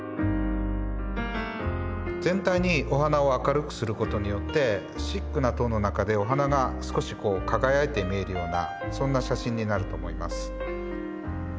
全体にお花を明るくすることによってシックなトーンの中でお花が少しこう輝いて見えるようなそんな写真になると思います。